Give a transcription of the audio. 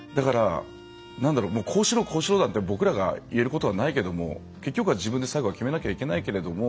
だからこうしろこうしろなんて僕らが言えることはないけども結局は自分で最後は決めなきゃいけないけれども。